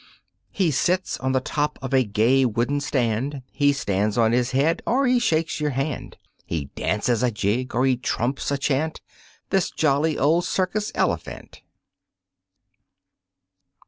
He sits on the top of a gay wooden stand, He stands on his head or he shakes your hand, He dances a jig or he trumps a chant This jolly old circus Elephant.